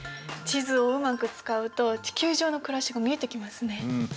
地図をうまく使うと地球上の暮らしが見えてきますね。